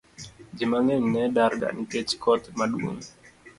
Ji mang'eny ne darga nikech koth maduong'